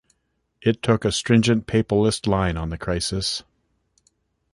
It took a stringent papalist line on the crisis.